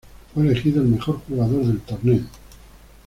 Fue elegido el mejor jugador del torneo.